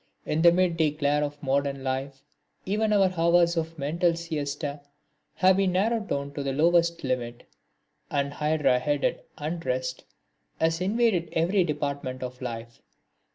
In the midday glare of modern life even our hours of mental siesta have been narrowed down to the lowest limit, and hydra headed unrest has invaded every department of life.